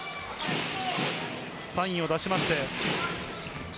サインを出して。